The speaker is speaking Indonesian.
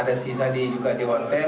ada sisa juga di hotel